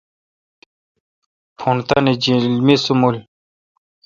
پݨ تانی جیل مے°سنبل۔